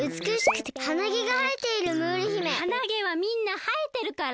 鼻毛はみんなはえてるから！